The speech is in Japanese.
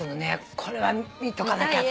これは見とかなきゃと。